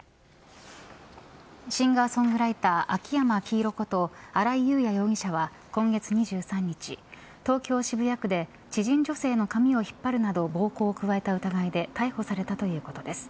シンガーソングライター秋山黄色こと新井悠也容疑者は今月２３日東京、渋谷区で知人女性の髪を引っ張るなど暴行を加えた疑いで逮捕されたということです。